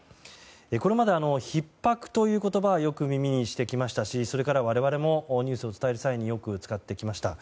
これまで、ひっ迫という言葉はよく耳にしてきましたしそれから、我々もニュースを伝える際によく使ってきました。